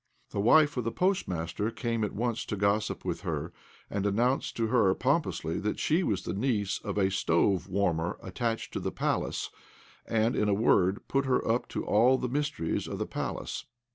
The wife of the postmaster came at once to gossip with her, and announced to her pompously that she was the niece of a stove warmer attached to the Palace, and, in a word, put her up to all the mysteries of the Palace.